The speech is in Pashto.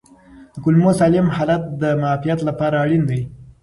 د کولمو سالم حالت د معافیت لپاره اړین دی.